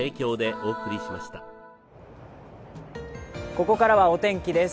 ここからはお天気です。